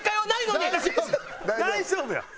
大丈夫や。